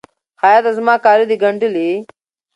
خیاطه! زما کالي د ګنډلي؟